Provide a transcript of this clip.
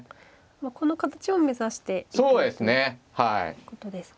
この形を目指していくということですか。